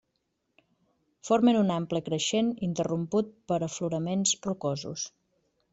Formen un ample creixent, interromput per afloraments rocosos.